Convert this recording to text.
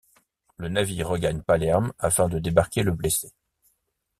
Le navire regagne Palerme afin de débarquer le blessé.